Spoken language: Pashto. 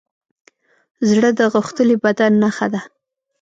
زړه د غښتلي بدن نښه ده.